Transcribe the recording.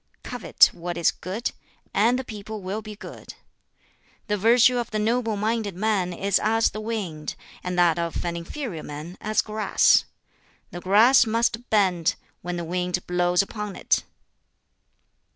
Covet what is good, and the people will be good. The virtue of the noble minded man is as the wind, and that of inferior men as grass; the grass must bend, when the wind blows upon it."